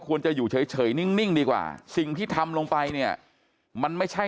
ควรจะอยู่เฉยนิ่งดีกว่าสิ่งที่ทำลงไปเนี่ยมันไม่ใช่